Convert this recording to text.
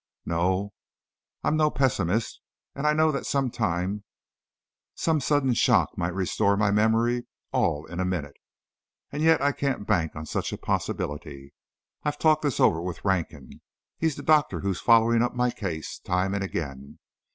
No, I'm no pessimist, and I know that some time some sudden shock might restore my memory all in a minute, yet I can't bank on such a possibility. I've talked this over with Rankin, he's the doctor who's following up my case, time and again.